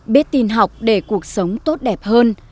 biết tin học để cuộc sống tốt đẹp hơn